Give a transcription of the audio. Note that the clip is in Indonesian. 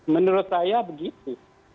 menurut saya begitu